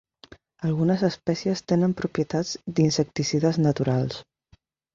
Algunes espècies tenen propietats d'insecticides naturals.